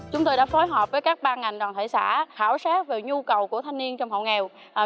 chúng tôi đã phối hợp với các ban ngành đoàn thể xã khảo sát về nhu cầu của thanh niên trong hộ nghèo